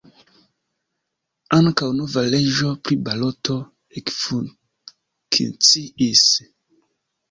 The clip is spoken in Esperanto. Ankaŭ nova leĝo pri baloto ekfunkciis.